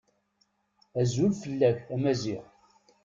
Azul fell-ak a Maziɣ.